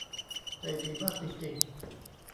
ใจดีมากจริง ๆ